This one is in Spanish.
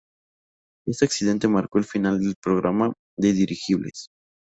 Este accidente marcó el final del programa de dirigibles.